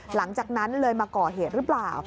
หลังจากนั้นเลยมาก่อเหตุหรือเปล่า